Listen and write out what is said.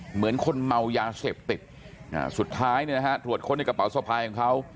เหมือนคนเมายาเสพติดสุดท้ายเนี่ยนะฮะตรวจค้นในกระเป๋าสะพายของเขา